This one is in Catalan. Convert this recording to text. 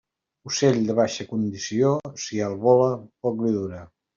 Ocell de baixa condició, si alt vola, poc li dura.